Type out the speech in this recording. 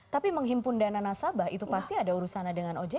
tapi menghimpun dana nasabah itu pasti ada urusannya dengan ojk